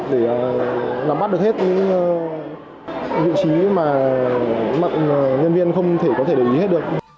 để nắm bắt được hết những vị trí mà nhân viên không thể có thể để ý hết được